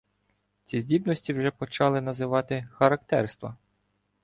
Ці здібності вже почали називати "характерства".